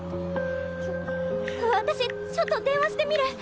私ちょっと電話してみる。